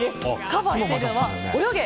カバーしているのは「およげ！